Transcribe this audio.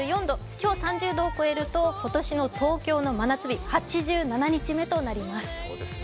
今日３０度を超えると、今年の東京の真夏日８７日目となります。